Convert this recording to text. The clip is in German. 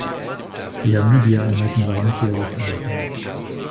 Die "Hamidiye"-Einheiten waren nicht jederzeit einsatzbereit.